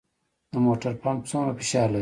د موټر پمپ څومره فشار لري؟